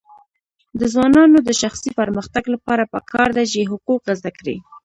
د ځوانانو د شخصي پرمختګ لپاره پکار ده چې حقوق زده کړي.